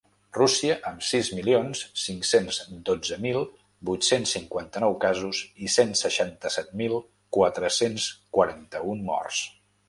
Rússia, amb sis milions cinc-cents dotze mil vuit-cents cinquanta-nou casos i cent seixanta-set mil quatre-cents quaranta-un morts.